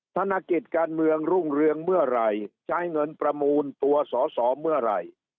ธนกิจการเมืองรุ่งเรืองเมื่อไหร่ใช้เงินประมูลตัวสอสอเมื่อไหร่